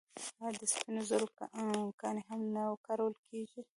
آیا د سپینو زرو ګاڼې هم نه کارول کیږي؟